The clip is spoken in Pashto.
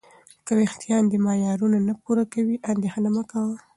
که وېښتان دې معیارونه نه پوره کوي، اندېښنه مه کوه.